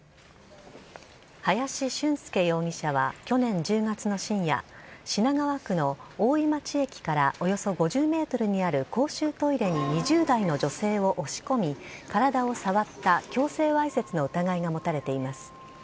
林しゅんすけ容疑者は、去年１０月の深夜、品川区の大井町駅からおよそ５０メートルにある公衆トイレに２０代の女性を押し込み、体を触った強制わいせつの疑いが持たれています。